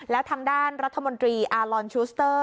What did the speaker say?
แล้วทางด้านรัฐมนตรีอาลอนชูสเตอร์